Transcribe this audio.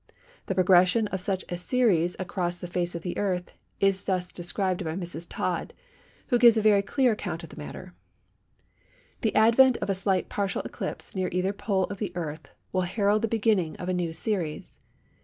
The progression of such a series across the face of the Earth is thus described by Mrs. Todd, who gives a very clear account of the matter:— "The advent of a slight partial eclipse near either pole of the Earth will herald the beginning of the new series.